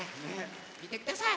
みてください。